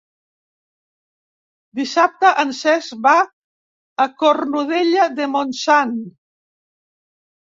Dissabte en Cesc va a Cornudella de Montsant.